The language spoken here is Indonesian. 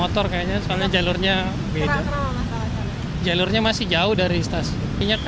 tapi untuk sehari hari masih belum termasuk